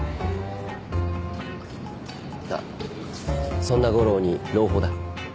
あっそんな悟郎に朗報だ。